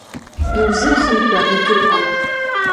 Иузырхынҳәуа егьыҟам.